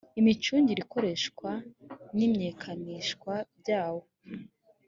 imicungire ikoreshwa n imenyekanishwa byawo